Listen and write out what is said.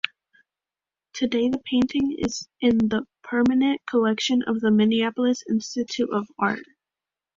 Today the painting is in the permanent collection of the Minneapolis Institute of Art.